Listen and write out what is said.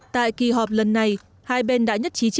tại kỳ họp lần này hai bên đã nhất trí triển khai